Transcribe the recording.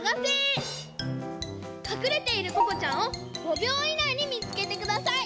隠れているここちゃんを５びょういないに見つけてください。